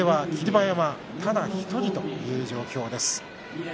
馬山ただ１人という状況です。